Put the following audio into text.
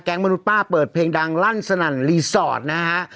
มนุษย์ป้าเปิดเพลงดังลั่นสนั่นรีสอร์ทนะฮะ